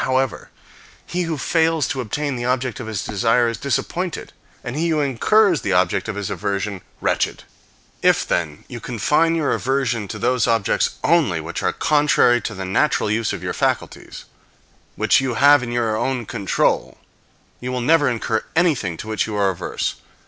However, he who fails to obtain the object of his desire is disappointed, and he who incurs the object of his aversion wretched. If, then, you confine your aversion to those objects only which are contrary to the natural use of your faculties, which you have in your own control, you will never incur anything to which you are averse.